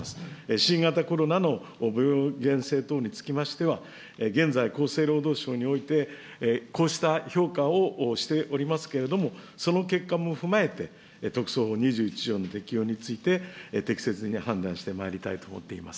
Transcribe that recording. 新型コロナの病原性等につきましては、現在、厚生労働省においてこうした評価をしておりますけれども、その結果も踏まえて、特措法２１条の適用について適切に判断してまいりたいと思っています。